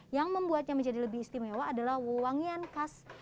yang membuatnya menjadi lebih istimewa adalah wangian khas